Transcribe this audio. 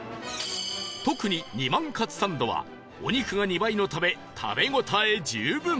特に弐万かつサンドはお肉が２倍のため食べ応え十分